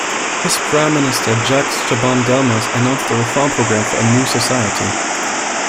His Prime Minister Jacques Chaban-Delmas announced a reform programme for a "New Society".